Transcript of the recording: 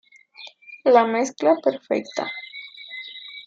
La mezcla perfecta.